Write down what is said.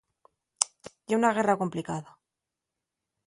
Ye una guerra complicada.